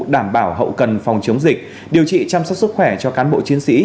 đảm bảo hậu cần phòng chống dịch điều trị chăm sóc sức khỏe cho cán bộ chiến sĩ